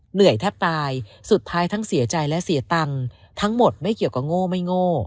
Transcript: เหนื่อยแทบตายสุดท้ายทั้งเสียใจและเสียตังค์ทั้งหมดไม่เกี่ยวกับโง่ไม่โง่